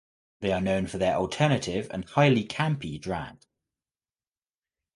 They are known for their alternative and highly campy drag.